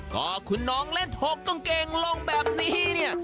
ก็คุณน้องเล่นถบต้องเกงลงแบบนี้